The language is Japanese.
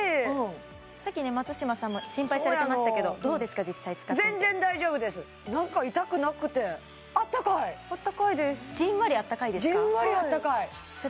さっき松嶋さんも心配されてましたけどどうですか実際使ってみて全然大丈夫ですなんか痛くなくてあったかいですじんわりあったかいですかじんわりあったかいそれ